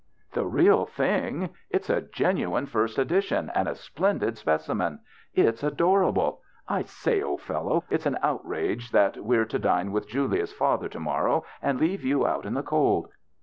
" The real thing ? It's a genuine first edi tion and a splendid specimen. It's adorable. I say, old fellow, it's an outrage that we're to dine with Julia's father to morrow and leave you out in the cold.